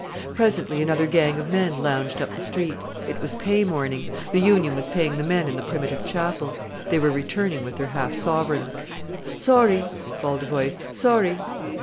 Presently another gang of men lounged up the street. It was pay morning. The Union was paying the men in the Primitive Chapel. They were returning with their half sovereigns. "Sorry!" bawled a voice. "Sorry!"